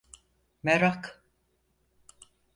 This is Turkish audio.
Merak…